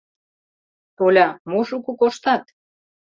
Толя, мо шуко коштат?